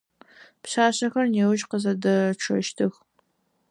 Пшъашъэхэр неущ къызэдэчъэщтых.